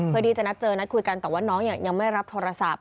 เพื่อที่จะนัดเจอนัดคุยกันแต่ว่าน้องยังไม่รับโทรศัพท์